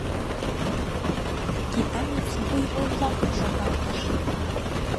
Китаец буйвол-влакым шогалтыш.